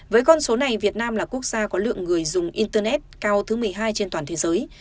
với con số này việt nam là quốc gia có lượng người dùng internet cao thứ một mươi hai trên toàn thế giới